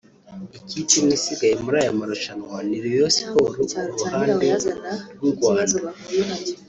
Ikipe imwe isigaye muri aya marushanwa ni Rayon Sports ku ruhande rw’u Rwanda